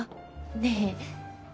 ⁉ねえ